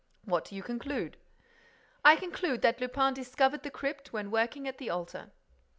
"What do you conclude?" "I conclude that Lupin discovered the crypt when working at the altar."